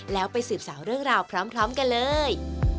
แล้วไปสืบสาวเรื่องราวพร้อมกันเลย